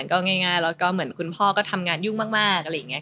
ก็ง่ายแล้วก็เหมือนคุณพ่อก็ทำงานยุ่งมากอะไรอย่างนี้